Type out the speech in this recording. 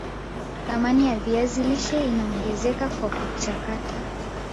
Thamani ya viazi lishe inaongezeka kwa kuchakata